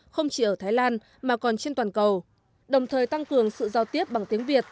không chỉ ở thái lan mà còn trên toàn cầu đồng thời tăng cường sự giao tiếp bằng tiếng việt